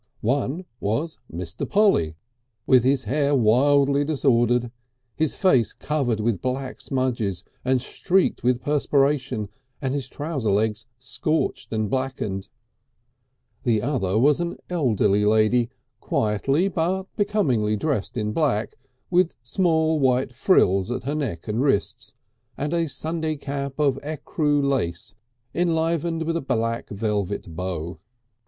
One was Mr. Polly, with his hair wildly disordered, his face covered with black smudges and streaked with perspiration, and his trouser legs scorched and blackened; the other was an elderly lady, quietly but becomingly dressed in black, with small white frills at her neck and wrists and a Sunday cap of ecru lace enlivened with a black velvet bow.